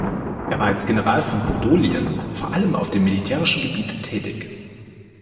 Er war als General von Podolien vor allem auf dem militärischen Gebiet tätig.